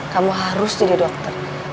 kamu harus jadi dokter